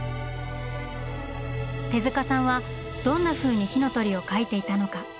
手さんはどんなふうに「火の鳥」を描いていたのか？